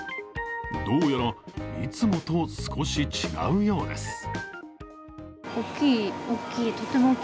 どうやら、いつもと少し違うようです。